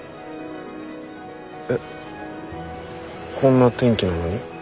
えこんな天気なのに？